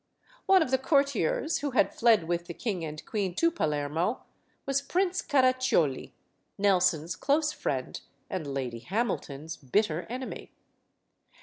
One of the courtiers who had fled with the king and queen to Palermo was Prince Caraccioli, Nelson's close friend and Lady Hamilton's bitter enemy.